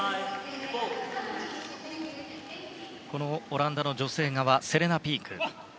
オランダの女性側セレナ・ピーク。